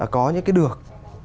có những cái được